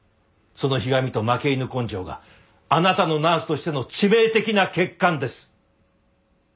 そのひがみと負け犬根性があなたのナースとしての致命的な欠陥です。